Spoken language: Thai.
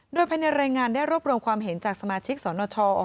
โดยภายในรายงานได้รวบรวมความเห็นจากสมาชิกสนช